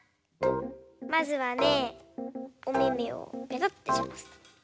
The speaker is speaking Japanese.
まずはねおめめをぺとってします。